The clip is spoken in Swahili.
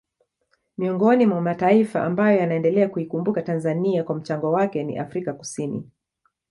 Miongoni mwa mataifa ambayo yanaendelea kuikumbuka Tanzania kwa mchango wake ni Afrika Kusini